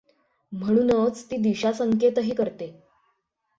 म्हणूनच ती दिशासंकेतही करते.